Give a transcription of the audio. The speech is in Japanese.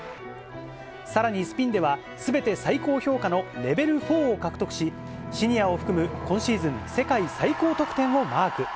さらにスピンでは、すべて最高評価のレベル４を獲得し、シニアを含む今シーズン世界最高得点をマーク。